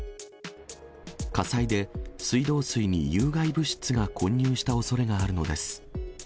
火災で水道水に有害物質が混入したおそれがあるのです。